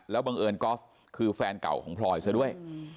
บังเอิญก๊อฟคือแฟนเก่าของพลอยซะด้วย